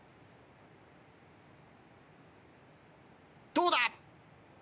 どうだ？